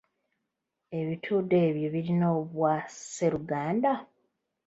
Ebitudu ebyo birina Obwasseruganda?